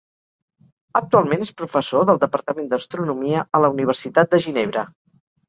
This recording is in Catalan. Actualment és professor del Departament d'Astronomia a la Universitat de Ginebra.